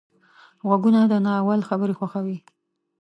غوږونه د ناول خبرې خوښوي